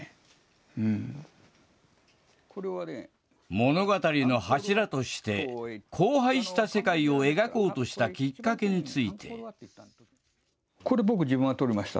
物語の柱として、荒廃した世界を描こうとしたきっかけについて。